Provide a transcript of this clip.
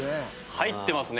入ってますね。